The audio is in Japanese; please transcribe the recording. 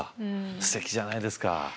すてきじゃないですか。